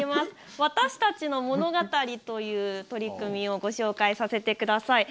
わたしたちの“物語”という取り組みをご紹介させてください。